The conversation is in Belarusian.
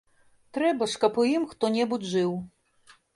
Трэба ж, каб у ім хто-небудзь жыў.